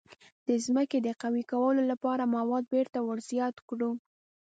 د ځمکې د قوي کولو لپاره مواد بیرته ور زیات کړو.